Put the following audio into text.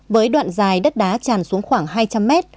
với đoạn dài đất đá tràn xuống khoảng hai trăm linh mét